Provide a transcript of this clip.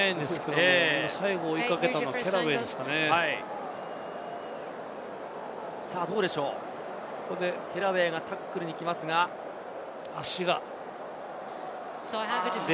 足、非常に速いんですけれども、今、最後追いかけたのはケラウェイですかね。